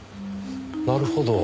なるほど。